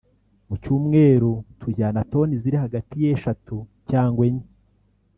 mu cyumweru tujyana toni ziri hagati y’eshatu cyangwa enye